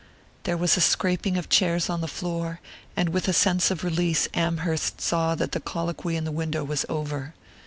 There was a scraping of chairs on the floor, and with a sense of release Amherst saw that the colloquy in the window was over.